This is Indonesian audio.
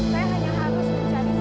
saya hanya harus mencari dulu